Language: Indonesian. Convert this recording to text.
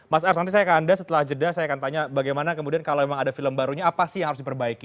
mas ars nanti saya ke anda setelah jeda saya akan tanya bagaimana kemudian kalau memang ada film barunya apa sih yang harus diperbaiki